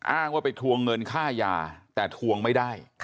อ้างว่าไปทวงเงินค่ายาแต่ทวงไม่ได้